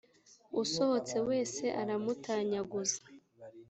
usohotse wese iramutanyaguza